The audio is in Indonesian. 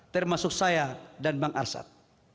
termasuk saya dan bang arsyad